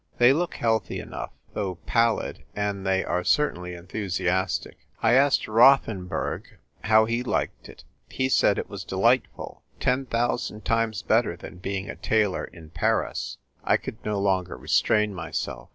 They look healthy enough, though pallid, and they are certainly enthusiastic. I asked Rothen burg how he liked it ; he said it was delight ful — ten thousand times better than being a tailor in Paris." I could no longer restrain myself.